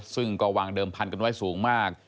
ซึ่งก็วางเดิมพันกันไว้สูงมาก